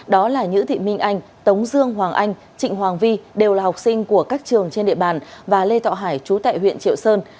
đó là nhữ thị minh anh tống dương hoàng anh trịnh hoàng vi đều là học sinh của các trường trên địa bàn và lê thọ hải chú tại huyện triệu sơn